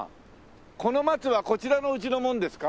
この松はこちらのうちのものですか？